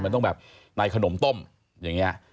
มันต้องแบบในขนมต้มอย่างนี้